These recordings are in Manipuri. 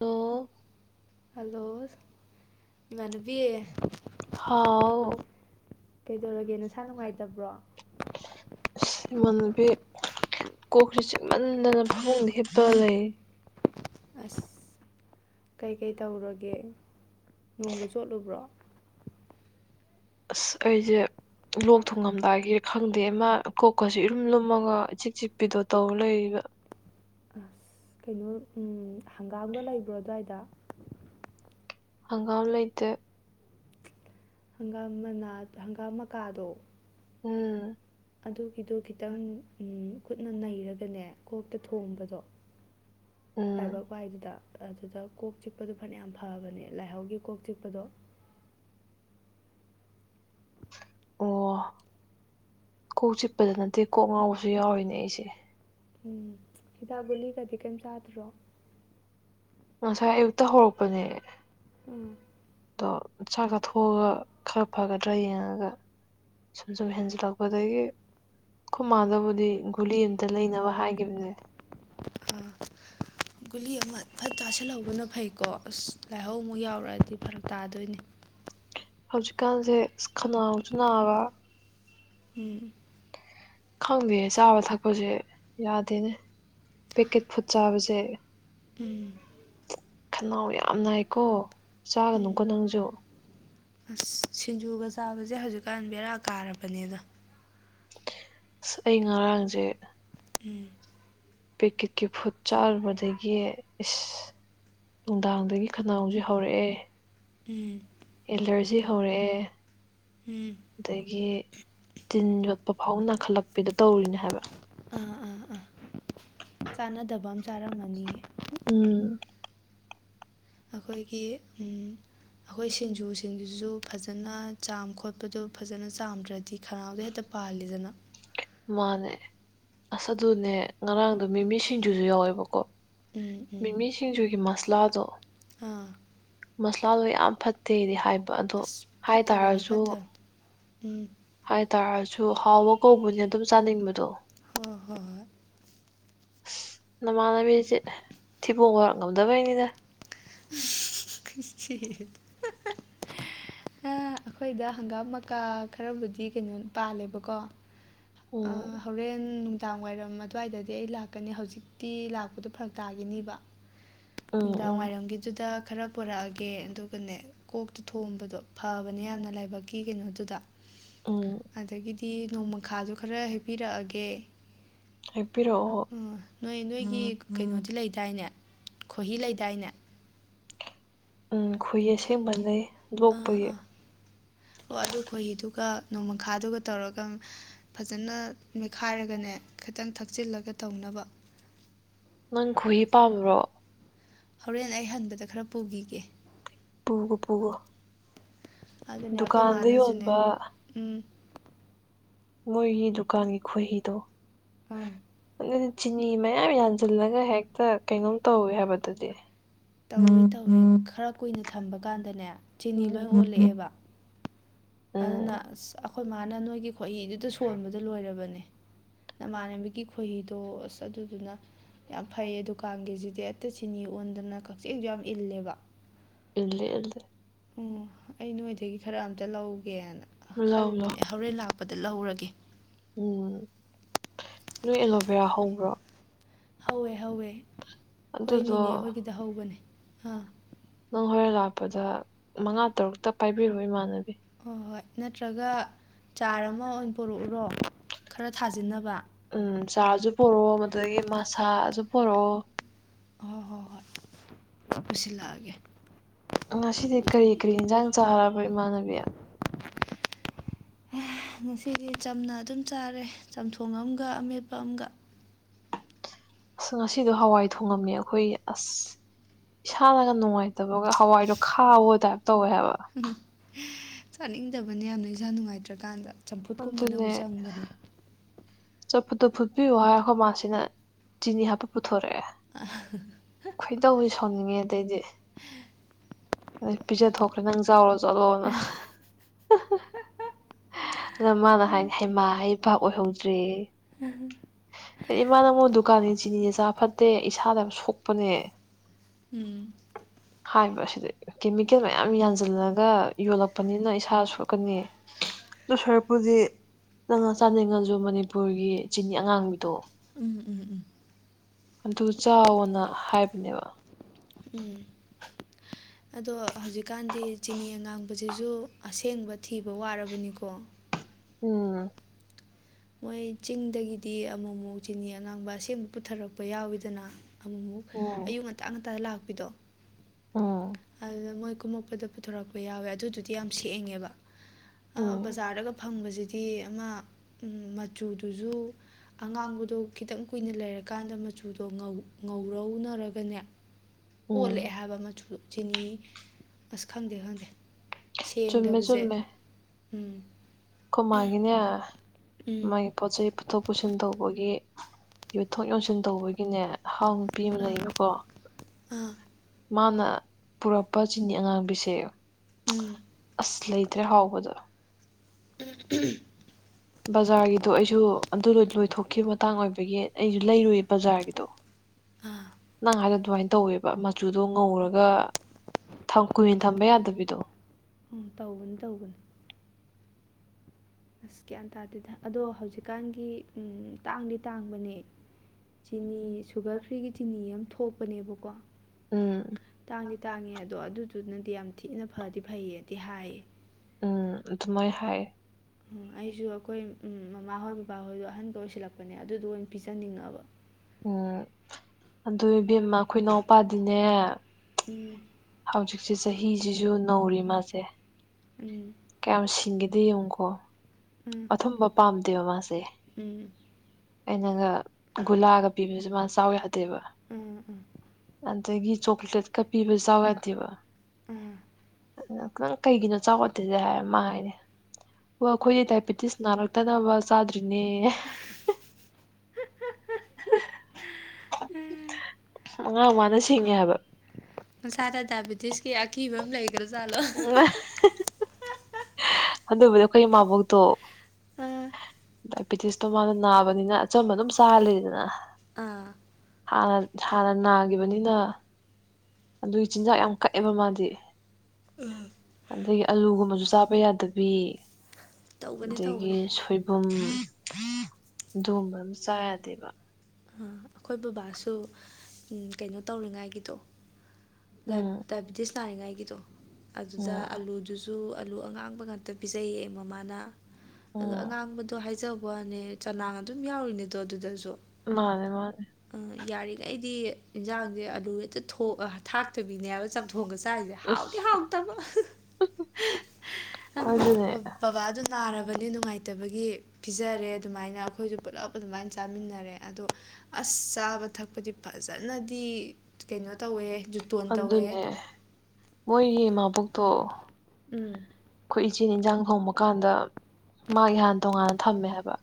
ꯍꯜꯂꯣ ꯍꯂꯣ ꯍꯥꯎ ꯀꯩꯗꯧꯔꯒꯦ ꯅꯁꯥ ꯅꯨꯡꯉꯥꯏꯇꯕ꯭ꯔꯣ ꯑꯁ ꯏꯃꯥꯟꯅꯕꯤ ꯀꯣꯛꯔꯤ ꯆꯤꯡꯃꯟꯗꯅ ꯐꯃꯨꯡꯗ ꯍꯤꯞꯄ ꯂꯩ ꯑꯁ ꯀꯩꯀꯩ ꯇꯧꯔꯒꯦ ꯅꯣꯡꯃ ꯆꯣꯠꯂꯨꯕ꯭ꯔꯣ ꯑꯁ ꯑꯩꯁꯦ ꯂꯣꯛ ꯊꯨꯡꯉꯝꯗꯥꯏꯒꯤ ꯈꯪꯗꯦꯃ ꯀꯣꯛꯀꯁꯨ ꯏꯔꯨꯝ ꯂꯨꯝꯃꯒ ꯏꯆꯤꯛ ꯆꯤꯛꯄꯤꯗꯣ ꯇꯧ ꯂꯩꯕ ꯑꯁ ꯀꯩꯅꯣ ꯍꯪꯒꯥꯝꯒ ꯂꯩꯕ꯭ꯔꯣ ꯑꯗꯨꯋꯥꯏꯗ ꯍꯪꯒꯥꯝ ꯂꯩꯇ ꯍꯪꯒꯥꯝ ꯃꯅꯥ ꯍꯪꯒꯥꯝ ꯃꯀꯥꯗꯣ ꯎꯝ ꯑꯗꯨꯒꯤꯗꯣ ꯈꯤꯇꯪ ꯈꯨꯠꯅ ꯅꯩꯔꯒꯅꯦ ꯀꯣꯛꯇ ꯊꯣꯝꯕꯗꯣ ꯂꯥꯏꯕꯛ ꯎꯝ ꯋꯥꯏꯗꯨꯗ ꯑꯗꯨꯗ ꯀꯣꯛ ꯆꯤꯛꯄꯗꯣ ꯐꯅꯌꯥꯝ ꯐꯕꯅꯦ ꯂꯥꯏꯍꯧꯒꯤ ꯀꯣꯛ ꯆꯤꯛꯄꯗꯣ ꯑꯣ ꯀꯣꯛ ꯆꯤꯛꯄꯗ ꯅꯠꯇꯦ ꯀꯣꯛ ꯉꯥꯎꯕꯁꯨ ꯌꯥꯎꯔꯤꯅꯦ ꯑꯩꯁꯦ ꯎꯝ ꯍꯤꯗꯥꯛ ꯒꯨꯂꯤꯒꯗꯤ ꯀꯩꯝ ꯆꯥꯗ꯭ꯔꯣ ꯉꯁꯥꯏ ꯑꯌꯨꯛꯇ ꯍꯧꯔꯛꯄꯅꯦ ꯎꯝ ꯑꯗꯣ ꯆꯥꯛ ꯆꯥꯊꯣꯛꯑꯒ ꯈꯔ ꯐꯒꯗ꯭ꯔꯥ ꯌꯦꯡꯉꯒ ꯁꯨꯝ ꯁꯨꯝ ꯍꯦꯟꯖꯜꯂꯛꯄꯗꯒꯤ ꯈꯨꯃꯥꯗꯕꯨꯗꯤ ꯒꯨꯂꯤ ꯑꯃꯝꯇ ꯂꯩꯅꯕ ꯍꯥꯏꯒꯤꯕꯅꯦ ꯒꯨꯂꯤ ꯑꯃ ꯐꯠ ꯆꯥꯁꯤꯜꯍꯧꯕꯅ ꯐꯩꯀꯣ ꯑꯁ ꯂꯥꯏꯍꯧꯃꯨꯛ ꯌꯥꯎꯔꯛꯑꯗꯤ ꯐꯔꯛ ꯇꯥꯗꯣꯏꯅꯤ ꯍꯧꯖꯤꯛꯀꯥꯟꯁꯦ ꯈꯅꯥꯎꯖꯨ ꯅꯥꯕ ꯎꯝ ꯈꯪꯗꯦ ꯆꯥꯕ ꯊꯛꯄꯁꯦ ꯌꯥꯗꯦꯅꯦ ꯄꯦꯛꯀꯦꯠ ꯐꯨꯠ ꯆꯥꯕꯁꯦ ꯎꯝ ꯈꯅꯥꯎ ꯌꯥꯝ ꯅꯥꯏꯀꯣ ꯆꯥꯒꯅꯨꯀꯣ ꯎꯝ ꯅꯪꯁꯨ ꯑꯁ ꯁꯤꯡꯖꯨꯒ ꯆꯥꯕꯁꯦ ꯍꯧꯖꯤꯛꯀꯥꯟ ꯕꯦꯔꯥ ꯀꯥꯔꯕꯅꯦ ꯗ ꯑꯁ ꯑꯩ ꯉꯔꯥꯡꯁꯦ ꯎꯝ ꯄꯦꯛꯀꯦꯠꯀꯤ ꯐꯨꯠ ꯆꯥꯔꯨꯕꯗꯒꯤ ꯏꯁ ꯅꯨꯡꯗꯥꯡꯗꯒꯤ ꯈꯅꯥꯎꯁꯦ ꯍꯧꯔꯛꯑꯦ ꯎꯝ ꯑꯦꯂꯔꯖꯤ ꯍꯧꯔꯑꯦ ꯎ ꯎꯝ ꯑꯗꯒꯤ ꯇꯤꯟ ꯌꯣꯠꯄ ꯐꯥꯎ ꯅꯥꯈꯠꯂꯛꯄꯤꯗꯣ ꯇꯧꯔꯤꯅꯦ ꯍꯥꯏꯕ ꯑꯥ ꯑꯥ ꯑꯥ ꯆꯥꯟꯅꯗꯕ ꯑꯃ ꯆꯥꯔꯝꯃꯅꯤꯌꯦ ꯎꯝ ꯑꯩꯈꯣꯏꯒꯤ ꯑꯩꯈꯣꯏ ꯁꯤꯡꯖꯨꯁꯦ ꯁꯤꯡꯗꯨꯁꯨ ꯐꯖꯅ ꯆꯥꯝ ꯈꯣꯠꯄꯗꯣ ꯐꯖꯅ ꯆꯥꯝꯗ꯭ꯔꯗꯤ ꯈꯅꯥꯎꯗ ꯍꯦꯛꯇ ꯄꯥꯜꯂꯤꯗꯅ ꯃꯥꯅꯦ ꯑꯁ ꯑꯗꯨꯅꯦ ꯉꯔꯥꯡꯗꯨ ꯃꯤꯃꯤ ꯁꯤꯡꯖꯨꯁꯨ ꯌꯥꯎꯋꯦꯕꯀꯣ ꯎꯝ ꯎꯝ ꯃꯤꯃꯤ ꯁꯤꯡꯖꯨꯒꯤ ꯃꯁꯂꯥꯗꯣ ꯑꯥ ꯃꯁꯂꯥꯗꯣ ꯌꯥꯝ ꯐꯠꯇꯦꯗꯤ ꯍꯥꯏꯕ ꯑꯗꯣ ꯑꯁ ꯍꯥꯏ ꯐꯠꯇꯕꯅꯦ ꯇꯔꯁꯨ ꯐꯠꯇꯕꯅꯦ ꯎꯝ ꯍꯥꯏ ꯇꯔꯁꯨ ꯍꯥꯎꯕ ꯀꯧꯕꯅꯦ ꯑꯗꯨꯝ ꯆꯥꯅꯤꯡꯕꯗꯣ ꯍ ꯍꯣꯏ ꯍꯣꯏ ꯅꯃꯥꯟꯅꯕꯤꯁꯦ ꯊꯤꯕꯣꯡꯕꯔꯛ ꯉꯝꯗꯕꯩꯅꯤꯗ ꯈ ꯑꯩꯈꯣꯏꯗ ꯍꯪꯒꯥꯝ ꯃꯀꯥ ꯈꯔꯕꯨꯗꯤ ꯀꯩꯅꯣ ꯄꯥꯜꯂꯦꯕꯀꯣ ꯑ ꯎꯝ ꯍꯣꯔꯦꯟ ꯅꯨꯡꯗꯥꯡ ꯋꯥꯏꯔꯝ ꯑꯗꯨꯋꯥꯏꯗꯗꯤ ꯑꯩ ꯂꯥꯛꯀꯅꯤ ꯍꯧꯖꯤꯛꯇꯤ ꯂꯥꯛꯄꯗꯣ ꯐꯔꯛ ꯇꯥꯒꯦ ꯅꯤꯕ ꯎꯝ ꯎꯝ ꯅꯨꯡꯗꯥꯡꯋꯥꯏꯔꯝꯒꯤꯗꯨꯗ ꯈꯔ ꯄꯨꯔꯛꯑꯒꯦ ꯑꯗꯨꯒꯅꯦ ꯀꯣꯛꯇꯨ ꯊꯣꯕꯗꯣ ꯐꯕꯅꯦ ꯌꯥꯝꯅ ꯂꯥꯏꯕꯛꯀꯤ ꯀꯩꯅꯣꯗꯨꯗ ꯎꯝ ꯑꯗꯒꯤꯗꯤ ꯅꯣꯡꯃꯈꯥꯁꯨ ꯈꯔ ꯍꯦꯛꯞꯄꯤꯔꯛꯑꯒꯦ ꯍꯦꯛꯄꯤꯔꯛꯑꯣ ꯑꯣ ꯅꯣꯏ ꯅꯣꯏꯒꯤ ꯀꯩꯅꯣꯗꯤ ꯂꯩꯗꯥꯏꯅꯦ ꯈꯣꯏꯍꯤ ꯂꯩꯗꯥꯏꯅꯦ ꯎꯝ ꯈꯣꯏꯍꯤ ꯑꯁꯦꯡꯕ ꯂꯩ ꯑꯥ ꯂꯣꯛꯄꯒꯤ ꯑꯥ ꯑꯣ ꯑꯗꯨ ꯈꯣꯏꯍꯤꯗꯨꯒ ꯅꯣꯡꯃꯈꯥꯗꯨꯒ ꯇꯧꯔꯒ ꯐꯖꯅ ꯃꯦꯠꯈꯥꯏꯔꯒꯅꯦ ꯈꯤꯇꯪ ꯊꯛꯆꯤꯜꯂꯒ ꯇꯧꯅꯕ ꯅꯪ ꯈꯣꯏꯍꯤ ꯄꯥꯝꯕ꯭ꯔꯣ ꯍꯣꯔꯦꯟ ꯑꯩ ꯍꯟꯕꯗ ꯈꯔ ꯄꯨꯒꯤꯒꯦ ꯄꯨꯒ ꯄꯨꯒ ꯑꯗꯨꯅꯦ ꯑꯩꯈꯣꯏ ꯗꯨꯀꯥꯟꯗ ꯃꯥꯅꯖꯨꯅꯦ ꯌꯣꯟꯕ ꯎꯝ ꯃꯣꯏꯒꯤ ꯗꯨꯀꯥꯟꯒꯤ ꯈꯣꯏꯍꯤꯗꯣ ꯑꯪ ꯑꯗꯨ ꯆꯤꯅꯤ ꯃꯌꯥꯝ ꯌꯥꯟꯁꯤꯜꯂꯒ ꯍꯦꯛꯇ ꯀꯩꯅꯣꯝ ꯇꯧꯏ ꯍꯥꯏꯕꯗꯨꯗꯤ ꯇꯧꯏ ꯇꯧꯏ ꯈꯔ ꯀꯨꯏꯅ ꯊꯝꯕ ꯀꯥꯟꯗꯅꯦ ꯆꯤꯅꯤ ꯂꯣꯏ ꯑꯣꯜꯂꯛꯑꯦꯕ ꯑꯗꯨꯅ ꯎꯝ ꯑ ꯑꯩꯈꯣꯏ ꯃꯥꯅ ꯅꯣꯏꯒꯤ ꯈꯣꯏꯍꯤꯗꯨꯗ ꯁꯣꯟꯕꯗ ꯂꯣꯏꯔꯕꯅꯦ ꯅꯃꯥꯟꯅꯕꯤꯒꯤ ꯈꯣꯏꯍꯤꯗꯣ ꯑꯁ ꯑꯗꯨꯗꯨꯅ ꯌꯥꯝ ꯐꯩꯌꯦ ꯗꯨꯀꯥꯟꯒꯤꯁꯤꯗꯤ ꯑꯠꯇ ꯁꯤꯤꯅꯤ ꯑꯣꯟꯗꯅ ꯀꯛꯆꯤꯡꯁꯨ ꯌꯥꯝ ꯏꯜꯂꯦꯕ ꯏꯜꯂꯤ ꯑꯗ꯭ꯔꯦ ꯑꯣ ꯑꯩ ꯅꯣꯏꯗꯒꯤ ꯈꯔ ꯑꯝꯇ ꯂꯧꯒꯦꯅ ꯂꯥꯎ ꯂꯥꯎ ꯈꯜꯂꯤꯜꯂꯤꯅꯦ ꯍꯣꯔꯦꯟ ꯂꯥꯛꯄꯗ ꯂꯧꯔꯒꯦ ꯎꯝ ꯅꯣꯏ ꯑꯦꯂꯣꯚꯦꯔꯥ ꯍꯧꯕ꯭ꯔꯣ ꯍꯧꯋꯦ ꯍꯧꯋꯦ ꯑꯗꯨꯗꯣ ꯑꯩꯈꯣꯏꯅꯤꯅꯦ ꯑꯩꯈꯣꯏꯒꯤꯗ ꯍꯧꯕꯅꯦ ꯑꯥ ꯅꯪ ꯍꯣꯔꯦꯟ ꯂꯥꯛꯄꯗ ꯃꯉꯥ ꯇꯔꯨꯛꯇ ꯄꯥꯏꯕꯤꯔꯑꯣ ꯏꯃꯥꯟꯅꯕꯤ ꯍꯣꯏ ꯍꯣꯏ ꯅꯠꯇ꯭ꯔꯒ ꯆꯥꯔ ꯑꯃ ꯑꯣꯏꯅ ꯄꯨꯔꯛꯎꯔꯣ ꯎꯝ ꯆꯥꯁꯨ ꯄꯣꯔꯛꯑꯣ ꯃꯗꯒꯤ ꯃꯁꯥꯖ ꯄꯔꯛꯑꯣ ꯍꯣꯏ ꯍꯣꯏ ꯍꯣꯏ ꯄꯨꯁꯤꯜꯂꯛꯑꯒꯦ ꯉꯁꯤꯗꯤ ꯀꯔꯤ ꯀꯔꯤ ꯏꯟꯖꯥꯡ ꯆꯥꯔꯕ ꯏꯃꯥꯟꯅꯕꯤ ꯑꯦ ꯉꯁꯤꯗꯤ ꯆꯝꯅ ꯑꯗꯨꯝ ꯆꯥꯔꯦ ꯆꯝꯊꯣꯡ ꯑꯃꯒ ꯑꯃꯦꯠꯄ ꯑꯃꯒ ꯑꯁ ꯉꯁꯤꯗꯣ ꯍꯋꯥꯏ ꯊꯣꯡꯉꯝꯃꯦ ꯑꯩꯈꯣꯏ ꯑꯁ ꯏꯁꯥꯅꯒ ꯅꯨꯡꯉꯥꯏꯇ ꯇꯕꯛꯒ ꯍꯋꯥꯏꯗꯣ ꯈꯥꯎꯋ ꯇꯥꯏꯞ ꯇꯧꯋꯦ ꯍꯥꯏꯕ ꯆꯥꯅꯤꯡꯗꯕꯅ ꯌꯥꯝꯅ ꯏꯁꯟꯥ ꯅꯨꯡꯉꯥꯏꯇ꯭ꯔꯀꯥꯟꯗ ꯆꯝꯐꯨꯠꯀꯨꯝꯕꯅ ꯑꯃꯨꯛ ꯆꯪꯕꯅꯦ ꯆꯞꯄꯨꯗꯣ ꯐꯨꯠꯄꯤꯌꯣ ꯍꯥꯏꯔꯣ ꯃꯥꯁꯤꯅ ꯆꯤꯅꯤ ꯍꯥꯞꯄ ꯄꯨꯊꯣꯔꯛꯑꯦ ꯑ ꯈꯣꯏꯗꯧ ꯁꯣꯟꯅꯤꯡꯉꯦ ꯑꯗꯩꯗꯤ ꯑꯗ ꯄꯤꯖ ꯊꯣꯛꯈ꯭ꯔꯦ ꯅꯪ ꯆꯥꯎꯔꯣ ꯆꯠꯂꯣꯅ ꯑꯗ ꯃꯥꯅ ꯍꯥꯏꯅ ꯍꯩꯃꯥ ꯍꯩ ꯄꯥꯛ ꯑꯣꯏꯍꯧꯗ꯭ꯔꯦ ꯍꯥꯏꯗꯤ ꯏꯃꯥ ꯅꯉꯣꯟ ꯗꯨꯀꯥꯟꯒꯤ ꯆꯤꯅꯤꯁꯦ ꯆꯥ ꯐꯠꯇꯦ ꯏꯁꯥꯗ ꯁꯣꯛꯄꯅꯦ ꯎꯝ ꯍꯥꯏꯔꯤꯕ ꯑꯁꯤꯗ ꯀꯦꯃꯤꯀꯦꯜ ꯃꯌꯥꯝ ꯌꯥꯟꯁꯤꯜꯂꯒ ꯌꯣꯜꯂꯛꯄꯅꯤꯅ ꯏꯁꯥ ꯁꯣꯛꯀꯅꯤ ꯂꯨꯁꯔꯄꯨꯗꯤ ꯅꯪ ꯆꯥꯅꯤꯡꯉ ꯑꯗꯨ ꯃꯅꯤꯄꯨꯔꯒꯤ ꯏꯆꯤꯟꯅꯤ ꯑꯉꯥꯡꯕꯤꯗꯣ ꯎꯝ ꯎꯝ ꯎꯝ ꯑꯗꯨ ꯆꯥꯎꯅ ꯍꯥꯏꯕꯅꯦꯕ ꯎꯝ ꯑꯗꯣ ꯍꯧꯖꯤꯛꯀꯥꯟꯗꯤ ꯆꯤꯅꯤ ꯑꯉꯥꯡꯕꯁꯤꯁꯨ ꯑꯁꯦꯡꯕ ꯊꯤꯕ ꯋꯥꯔꯕꯅꯤꯀꯣ ꯎꯝ ꯃꯣꯏ ꯆꯤꯡꯗꯒꯤꯗꯤ ꯑꯃꯃꯨꯛ ꯆꯤꯅꯤ ꯑꯉꯥꯡꯕ ꯑꯁꯦꯡꯕ ꯄꯨꯊꯔꯛꯄ ꯌꯥꯎꯋꯤꯗꯅ ꯑꯃꯃꯨꯛ ꯎꯝ ꯑꯌꯨꯛ ꯉꯇꯥ ꯉꯟꯇꯥꯗ ꯂꯥꯛꯄꯤꯗꯣ ꯎꯝ ꯑꯗꯨꯗ ꯃꯣꯏ ꯀꯨꯝꯃꯛꯄꯗ ꯄꯨꯊꯣꯔꯛꯄ ꯌꯥꯎꯋꯦ ꯑꯗꯨꯗꯨꯗꯤ ꯇ ꯌꯥꯝ ꯁꯦꯡꯉꯦꯕ ꯎꯝ ꯕꯖꯥꯔꯗꯒ ꯐꯪꯕꯁꯤꯗꯤ ꯑꯃ ꯃꯆꯨꯗꯨꯁꯨ ꯑꯉꯥꯡꯕꯗꯣ ꯈꯤꯇꯪ ꯀꯨꯏꯅ ꯂꯩꯔꯀꯥꯟꯗ ꯃꯆꯨꯗꯣ ꯉꯧꯔꯧꯅꯔꯒꯅꯦ ꯎꯝ ꯑꯣꯜꯂꯛꯑꯦ ꯍꯥꯏꯕ ꯃꯆꯨꯗꯣ ꯆꯤꯅꯤ ꯑꯁ ꯈꯪꯗꯦ ꯈꯪꯗꯦ ꯆꯨꯝꯃꯦ ꯁꯦꯡꯗꯕꯁꯦ ꯆꯨꯝꯃꯦ ꯎꯝ ꯈꯨꯃꯥꯒꯤꯅꯦ ꯎꯝ ꯄꯣꯠ ꯆꯩ ꯄꯨꯊꯣꯛ ꯄꯨꯁꯤꯟ ꯇꯧꯕꯒꯤ ꯌꯣꯟꯊꯣꯛ ꯌꯣꯟꯁꯤꯟ ꯇꯧꯕꯒꯤ ꯑꯩꯅꯦ ꯍꯥꯎ ꯅꯨꯄꯤ ꯑꯃ ꯑꯥ ꯂꯩꯕꯀꯣ ꯑꯥ ꯃꯥꯅ ꯄꯨꯔꯛꯄ ꯆꯤꯅꯤ ꯑꯉꯥꯡꯕꯤꯁꯦ ꯎꯝ ꯑꯁ ꯂꯩꯇ꯭ꯔꯦ ꯍꯥꯎꯕꯗꯣ ꯎ ꯎꯝ ꯕꯖꯥꯔꯒꯤꯗꯣ ꯑꯩꯁꯨ ꯑꯗꯨ ꯂꯣꯏꯊꯣꯛꯈꯤꯕ ꯃꯇꯥꯡ ꯑꯣꯏꯕꯒꯤ ꯑꯩꯁꯨ ꯂꯩꯔꯨꯏ ꯕꯖꯥꯔꯒꯤꯗꯣ [unintelligible] ꯅꯪ ꯍꯥꯏꯗ ꯑꯗꯨꯃꯥꯏꯅ ꯇꯧꯋꯦꯕ ꯃꯆꯨꯗꯣ ꯉꯧꯔꯒ ꯀꯨꯏꯅ ꯊꯝꯕ ꯌꯥꯗꯕꯤꯗꯣ ꯎꯝ ꯇꯧꯕꯅꯤ ꯇꯧꯧꯕꯅꯤ ꯑꯁ ꯒ꯭ꯌꯥꯟ ꯇꯥꯗꯦ ꯑꯗꯣ ꯍꯧꯖꯤꯛꯀꯥꯟꯒꯤ ꯇꯥꯡꯗꯤ ꯇꯥꯡꯕꯅꯦ ꯆꯤꯅꯤ ꯁꯨꯒꯔ ꯐ꯭ꯔꯤꯒꯤ ꯆꯤꯅꯤ ꯑꯃ ꯊꯣꯛꯄꯅꯦꯕꯀꯣ ꯎꯝ ꯇꯥꯡꯗꯤ ꯇꯥꯡꯉꯦ ꯑꯗꯣ ꯑꯗꯨꯗꯨꯅꯗꯤ ꯌꯥꯝ ꯊꯤꯅ ꯐꯗꯤ ꯐꯩꯌꯦꯗꯤ ꯍꯥꯏꯌꯦ ꯎꯝ ꯑꯗꯨꯃꯥꯏꯅ ꯍꯥꯏ ꯎꯝ ꯑꯩꯁꯨ ꯑꯩꯈꯣꯏ ꯎ ꯃꯃꯥꯍꯣꯏ ꯕꯕꯥꯍꯣꯏꯗꯣ ꯑꯍꯟꯕ ꯑꯣꯏꯁꯤꯜꯂꯛꯄꯅꯦ ꯑꯗꯨꯗꯣ ꯑꯣꯏꯅ ꯄꯤꯖꯅꯤꯡꯉꯕ ꯎꯝ ꯑꯗꯨ ꯏꯕꯦꯝꯃ ꯑꯩꯈꯣꯏ ꯏꯅꯥꯎꯄꯥꯗꯤꯅꯦ ꯎꯝ ꯍꯧꯖꯤꯛꯁꯦ ꯆꯍꯤꯁꯤꯁꯨ ꯅꯧꯔꯤ ꯃꯥꯁꯦ ꯎꯝ ꯀꯌꯥꯝ ꯁꯤꯡꯒꯦꯗꯦ ꯌꯦꯡꯉꯨꯀꯣ ꯎꯝ ꯑꯊꯨꯝꯕ ꯄꯥꯝꯗꯦꯕ ꯃꯥꯁꯦ ꯎꯝ ꯑꯩꯅꯪꯒ ꯒꯨꯂꯥꯒ ꯄꯤꯕꯁꯦ ꯃꯥꯅ ꯆꯥꯎ ꯌꯥꯗꯦꯕ ꯎꯝ ꯎꯝ ꯑꯗꯒꯤ ꯆꯣꯀ꯭ꯂꯦꯠꯀ ꯄꯤꯕꯁꯨ ꯌꯥꯎ ꯌꯥꯗꯦꯕ ꯎꯝ ꯈꯤꯇꯪ ꯀꯩꯒꯤꯅꯣ ꯆꯥꯎꯈꯠꯇꯦꯁꯦ ꯍꯥꯏꯔ ꯃꯥ ꯍꯥꯏꯔꯦ ꯑꯣ ꯑꯩꯈꯣꯏꯗꯤ ꯗꯥꯏꯕꯦꯇꯤꯁ ꯅꯥꯔꯛꯇꯅꯕ ꯆꯥꯗ꯭ꯔꯤꯅꯦ [unintelligible] ꯑ ꯋꯥ ꯃꯁꯥꯗ ꯗꯥꯏꯕꯦꯇꯤꯁꯀꯤ ꯑꯀꯤꯕ ꯑꯃ ꯂꯩꯈ꯭ꯔꯥꯖꯥꯠꯂꯣ ꯑꯗꯨꯕꯨꯗꯤ ꯑꯩꯈꯣꯏ ꯏꯃꯥꯕꯣꯛꯇꯣ ꯑꯥ ꯗꯥꯏꯕꯦꯇꯤꯁꯇꯣ ꯃꯥꯅ ꯅꯥꯕꯅꯤꯅ ꯑꯆꯝꯕ ꯑꯗꯨꯝ ꯆꯥꯍꯜꯂꯤꯦꯗꯅ ꯑꯥ ꯍꯥꯟꯅ ꯍꯥꯟꯅ ꯅꯥꯈꯤꯕꯅꯤꯅ ꯑꯗꯨꯒꯤ ꯆꯤꯟꯖꯥꯛ ꯌꯥꯝ ꯀꯛꯑꯦꯕ ꯃꯥꯗꯤ ꯑꯗꯒꯤ ꯑꯂꯨꯒꯨꯝꯕꯁꯨ ꯆꯥꯕ ꯌꯥꯗꯕꯤ ꯇꯧꯕꯅꯦ ꯑꯗꯒꯤ ꯇꯧꯕꯅꯦ ꯁꯣꯏꯕꯨꯝ ꯑꯗꯨꯒꯨꯝꯕꯝ ꯆꯥꯗꯦꯕ ꯑꯥ ꯑꯩꯈꯣꯏ ꯕꯕꯥꯁꯨ ꯀꯩꯅꯣ ꯇꯧꯔꯤꯉꯥꯏꯒꯤꯗꯣ ꯎꯝ ꯗꯥꯏꯕꯤꯇꯤꯁ ꯅꯥꯔꯤꯉꯥꯏꯒꯤꯗꯣ ꯑꯗꯨꯗ ꯎꯝ ꯑꯥꯂꯨꯗꯨ ꯑꯗꯨ ꯑꯂꯨ ꯑꯉꯥꯡꯕ ꯉꯥꯛꯇ ꯄꯤꯖꯩꯌꯦ ꯃꯃꯥꯅ ꯑꯗꯣ ꯎꯝ ꯑꯉꯥꯡꯕꯗꯣ ꯍꯥꯏꯖꯕꯅꯦ ꯆꯅꯥꯡ ꯑꯗꯨꯝ ꯌꯥꯎꯔꯤꯅꯦꯗꯣ ꯑꯗꯨꯗꯁꯨ ꯃꯥꯅꯦ ꯃꯥꯅꯦ ꯑ ꯌꯥꯔꯤꯈꯩ ꯑꯩꯗꯤ ꯏꯟꯖꯥꯡꯁꯦ ꯑꯗꯨ ꯍꯦꯛꯇ ꯊꯥꯛꯇꯕꯤꯅꯦ ꯍꯥꯏꯕ ꯆꯝꯊꯣꯡꯒ ꯆꯥꯏꯔꯤꯁꯦ ꯍꯥꯎꯗꯤ ꯍꯥꯎꯇꯕ ꯑꯗꯨꯅꯦ ꯕꯕꯥ ꯑꯗꯨ ꯅꯥꯔꯕꯅꯤ ꯅꯨꯡꯉꯥꯏꯇꯦ ꯐꯇꯕꯒꯤ ꯄꯤꯖꯔꯦ ꯑꯗꯨꯃꯥꯏꯅ ꯑꯩꯈꯣꯏꯁꯨ ꯄꯨꯂꯞ ꯑꯗꯨꯃꯥꯏꯅ ꯆꯥꯃꯤꯟꯅꯔꯦ ꯑꯗꯣ ꯑꯁ ꯆꯥꯕ ꯊꯛꯄꯗꯤ ꯐꯖꯅꯗꯤ ꯀꯩꯅꯣ ꯇꯧꯋꯦ ꯖꯨꯇꯣꯟ ꯇꯧꯋꯦ ꯑꯗꯨꯅꯦ ꯃꯣꯏꯒꯤ ꯏꯃꯥꯕꯣꯛꯛꯇꯣ ꯎꯝ ꯑꯩꯈꯣꯏ ꯏꯆꯤꯟ ꯏꯟꯁꯥꯡ ꯊꯣꯡꯕ ꯀꯥꯟꯗ ꯃꯥ ꯏꯍꯥꯟ ꯇꯣꯡꯉꯥꯟꯅ ꯊꯝꯃꯦ ꯍꯥꯏꯕ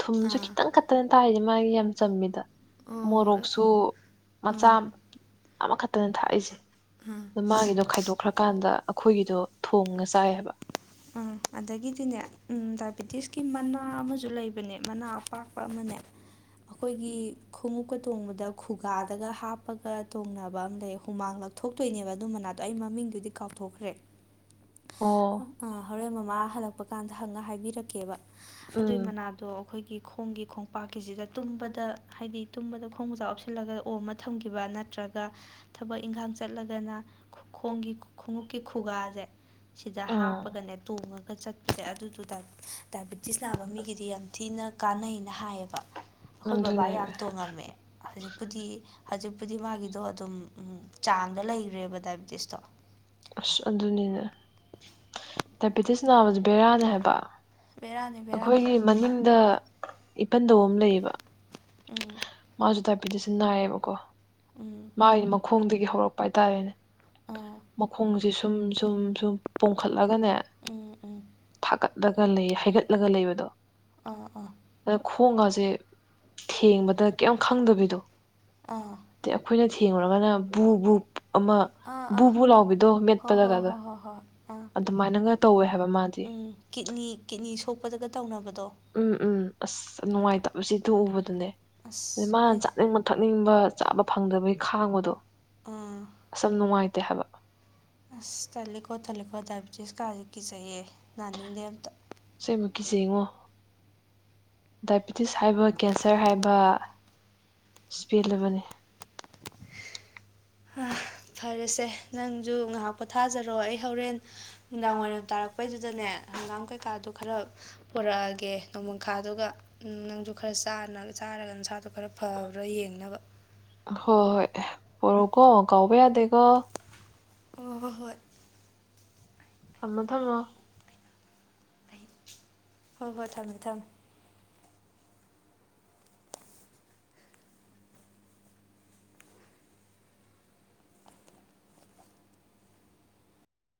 ꯊꯨꯝꯁꯨ ꯑꯥ ꯈꯤꯇꯪ ꯀꯠꯇꯅ ꯇꯥꯔꯤꯁꯦ ꯃꯥꯒꯤ ꯌꯥꯝ ꯆꯝꯃꯤꯗ ꯍꯣꯏ ꯃꯣꯔꯣꯛ ꯍꯣꯏ ꯀꯛꯁꯨ ꯃꯆꯥ ꯎꯝ ꯑꯃꯈꯛꯇꯅ ꯊꯥꯛꯏꯁꯦ ꯎꯝ ꯑ ꯃꯥꯒꯤꯗꯣ ꯈꯥꯏꯗꯣꯛꯈ꯭ꯔꯀꯥꯟꯗ ꯑꯩꯈꯣꯏꯒꯤꯗꯣ ꯊꯣꯡꯉ ꯆꯥꯏꯑꯕ ꯎꯝ ꯑꯗꯒꯤꯗꯤꯅꯦ ꯎꯝ ꯗꯥꯏꯕꯦꯇꯤꯁ ꯀ ꯃꯅꯥ ꯑꯃꯁꯨ ꯂꯩꯕꯅꯦ ꯃꯅꯥ ꯑꯄꯥꯛꯄ ꯑꯃꯅꯦ ꯃꯈꯣꯏꯒꯤ ꯈꯣꯡꯎꯞꯀ ꯇꯣꯡꯕꯗ ꯈꯨꯒꯥꯗꯒ ꯍꯥꯞꯄꯒ ꯇꯣꯡꯅꯕ ꯑꯃ ꯂꯩ ꯍꯨꯃꯥꯡꯂꯛ ꯀꯊ ꯊꯣꯛꯇꯣꯏꯅꯦꯕ ꯑꯗꯨ ꯃꯅꯥꯗꯣ ꯑꯩ ꯃꯃꯤꯡꯗꯨꯗꯤ ꯀꯥꯎꯊꯣꯛꯈ꯭ꯔꯦ ꯑꯣ ꯑ ꯍꯣꯔꯦꯟ ꯃꯃꯥ ꯍꯜꯂꯛꯄ ꯀꯥꯟꯗ ꯍꯪꯉ ꯍꯥꯏꯕꯤꯔꯛꯀꯦꯕ ꯑꯗꯨꯏ ꯎꯝ ꯃꯅꯥꯗꯣ ꯑꯩꯈꯣꯏꯒꯤ ꯈꯣꯡꯒꯤ ꯈꯣꯡꯄꯥꯛꯀꯤꯁꯤꯗ ꯇꯨꯝꯕꯗ ꯍꯥꯏꯗꯤ ꯇꯨꯝꯕꯗ ꯈꯣꯡꯖꯥꯛ ꯑꯣꯞꯁꯤꯜꯂꯒ ꯑꯣꯝ ꯑꯃ ꯊꯝꯈꯤꯕ ꯅꯠꯇ꯭ꯔꯒ ꯊꯕꯛ ꯏꯪꯈꯥꯡ ꯆꯠꯂꯒꯅ ꯈꯣꯡꯒꯤ ꯈꯣꯡꯎꯞꯀꯤ ꯈꯨꯒꯥꯁꯦ ꯁꯤꯗ ꯍꯥꯞ ꯎꯝ ꯇꯣꯡꯉꯒ ꯆꯠꯄꯁꯦ ꯑꯗꯨꯗꯨꯗ ꯗꯥꯏꯕꯦꯇꯤꯁ ꯅꯥꯕ ꯃꯤꯒꯤꯗꯤ ꯌꯥꯝ ꯊꯤꯅ ꯀꯥꯟꯅꯩꯅ ꯍꯥꯏꯌꯦꯕ ꯑꯩꯈꯣꯏ ꯕꯕꯥ ꯑꯗꯨꯅꯦꯕ ꯌꯥꯝ ꯇꯣꯡꯉꯝꯃꯦ ꯍꯧꯖꯤꯛꯄꯨꯗꯤ ꯍꯧꯖꯤꯛꯄꯨꯗꯤ ꯃꯥꯒꯤꯗꯣ ꯑꯗꯨꯝ ꯆꯥꯡꯗ ꯂꯩꯈ꯭ꯔꯦꯕ ꯗꯥꯏꯕꯤꯇꯤꯁꯇꯣ ꯑꯁ ꯑꯗꯨꯅꯤꯅꯦ [unintelligible] ꯗꯥꯏꯕꯦꯇꯤꯁ ꯅꯥꯕꯁ ꯕꯦꯔꯥꯅꯦ ꯍꯥꯏꯕ ꯕꯦꯔꯥꯅꯤ ꯕꯦꯔꯥꯅꯤ ꯑꯩꯈꯣꯏꯒꯤ ꯃꯅꯤꯡꯗ ꯏꯄꯟꯗꯧꯕ ꯑꯃ ꯂꯩꯌꯦꯕ ꯎꯝ ꯃꯥꯁꯨ ꯇꯥꯏꯄꯤꯗꯁꯨ ꯅꯥꯏꯌꯦꯕꯀꯣ ꯎꯝ ꯃꯥꯒꯤ ꯃꯈꯣꯡꯗꯒꯤ ꯍꯧꯔꯛꯄ ꯍꯥꯏꯇꯥꯔꯦꯅꯦ ꯑꯥ ꯃꯈꯣꯡꯁꯦ ꯁꯨꯝ ꯁꯨꯝ ꯁꯨꯝ ꯄꯣꯡꯈꯠꯂꯒꯅꯦ ꯎꯝ ꯎꯝ ꯊꯥꯒꯠꯂꯒ ꯂꯩ ꯍꯥꯏꯒꯠꯂꯒ ꯂꯩꯕꯗꯣ ꯑꯥ ꯑꯥ ꯑꯗ ꯈꯣꯡꯒꯁꯦ ꯊꯦꯡꯕꯗ ꯀꯩ ꯈꯪꯗꯕꯤꯗꯣ ꯑꯥ ꯑꯗ ꯑꯩꯈꯣꯏꯅ ꯊꯦꯡꯡꯂꯨꯔꯒꯅ ꯕꯨꯕꯨ ꯑꯃ ꯕꯨꯕꯨ ꯂꯥꯎꯕ ꯍ ꯍꯣ ꯍꯣ ꯍꯣ ꯍꯣꯏ ꯑꯥ ꯑꯗꯨꯃꯥꯏꯅꯒ ꯇꯧꯋꯦ ꯍꯥꯏꯕ ꯃꯥꯗꯤ ꯎꯝ ꯀꯤꯠꯅꯤ ꯀꯤꯠꯅꯤ ꯁꯣꯛꯄꯗꯒ ꯇꯧꯅꯕꯗꯣ ꯎꯝ ꯎꯝ ꯑꯁ ꯅꯨꯡꯉꯥꯏꯇꯕꯁꯤ ꯊꯣꯛꯎꯕꯗꯨꯅꯦ ꯑ ꯑꯁ ꯃꯥ ꯍꯦ ꯆꯥꯅꯤꯡꯕ ꯊꯛꯅꯤꯡꯕ ꯆꯥꯕ ꯐꯪꯗꯕꯒꯤ ꯈꯥꯡꯕꯗꯣ ꯑꯥ ꯑꯁ ꯌꯥꯝ ꯅꯨꯡꯉꯥꯏꯇꯦ ꯍꯥꯏꯕ ꯑꯁ ꯊꯂꯀꯣ ꯊꯂꯀꯣ ꯗꯥꯏꯕꯤꯦꯇꯤꯁ ꯀꯥꯥꯁ ꯀꯆꯩꯌꯦ ꯅꯥꯅꯤꯡꯗꯦ ꯑꯝꯇ ꯁꯣꯏꯃꯃꯛꯀꯤ ꯌꯦꯡꯉꯣ ꯗꯥꯏꯕꯤꯇꯤꯁ ꯍꯥꯏꯕ ꯀꯦꯟꯁꯔ ꯍꯥꯏꯕ ꯄꯦꯜꯂꯕꯅꯤ ꯐꯔꯦꯁꯦ ꯅꯪꯁꯨ ꯉꯥꯏꯍꯥꯛ ꯄꯣꯊꯥꯖꯔꯣ ꯑꯩ ꯍꯣꯔꯦꯟ ꯅꯨꯡꯗꯥꯡ ꯋꯥꯏꯔꯝ ꯇꯥꯔꯛꯄꯩꯗꯨꯗꯅꯦ ꯍꯪꯒꯥꯝ ꯀꯩꯀꯥꯗꯨꯣ ꯈꯔ ꯄꯨꯔꯛꯑꯒꯦ ꯅꯣꯡꯃꯪꯈꯥꯗꯨꯒ ꯎ ꯅꯪꯁꯨ ꯈꯔ ꯆꯥꯔꯒ ꯅꯁꯥꯗꯨꯣ ꯈꯔ ꯐꯕ꯭ꯔꯥ ꯌꯦꯡꯅꯕ ꯍꯣꯏ ꯍꯣꯏ ꯄꯣꯔꯛꯀꯣ ꯀꯥꯎꯕ ꯌꯥꯗꯦꯀꯣ ꯑꯣ ꯍꯣꯏ ꯍꯣꯏ ꯊꯝꯃꯣ ꯊꯝꯃꯣ ꯍꯣꯏ ꯍꯣꯏ ꯊꯝꯃꯦ ꯊꯝꯃꯦ